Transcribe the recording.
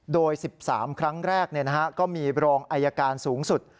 โดย๑๓ครั้งแรกเนี่ยนะฮะก็มีรองอัยการสูงสุด